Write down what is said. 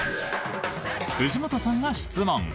藤本さんが質問！